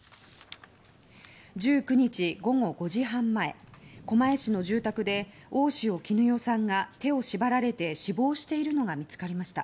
１９日午後５時半前狛江市の住宅で大塩衣與さんが手を縛られて死亡しているのが見つかりました。